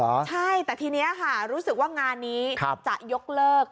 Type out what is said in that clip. ใช่แต่ทีนี้ค่ะรู้สึกว่างานนี้จะยกเลิก